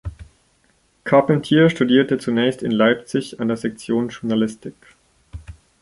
Carpentier studierte zunächst in Leipzig an der "Sektion Journalistik".